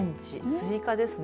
スイカですね。